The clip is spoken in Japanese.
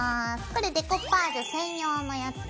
これデコパージュ専用のやつね。